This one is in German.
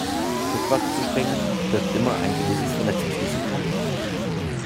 Rückwärts zu springen birgt immer ein gewisses Verletzungsrisiko.